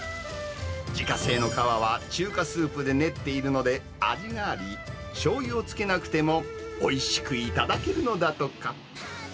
自家製の皮は、中華スープで練っているので、味があり、しょうゆをつけなくても、おいしく頂けるのだとか。